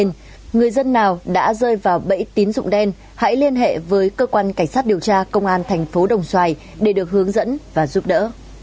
nhưng người dân nào đã rơi vào bẫy tín dụng đen hãy liên hệ với cơ quan cảnh sát điều tra công an thành phố đồng xoài để được hướng dẫn và giúp đỡ